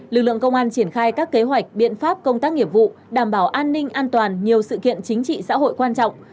lực lượng công an triển khai các kế hoạch biện pháp công tác nghiệp vụ đảm bảo an ninh an toàn nhiều sự kiện chính trị xã hội quan trọng